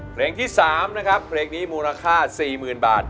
เพลงที่สามนะครับเพลงนี้มูลค่าสี่หมื่นบาท